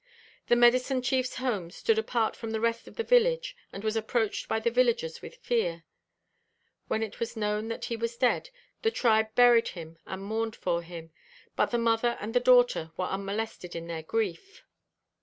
The medicine chief's home stood apart from the rest of the village, and was approached by the villagers with fear. When it was known that he was dead, the tribe buried him and mourned for him. But the mother and the daughter were unmolested in their grief.